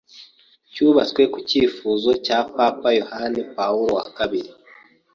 cyubatswe ku cyifuzo cya Papa Yohani Pawulo wa kabiri